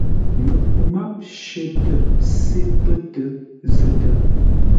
Məku máp shətə se pə́ tə zətə.